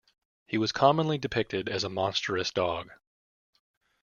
He was commonly depicted as a monstrous dog.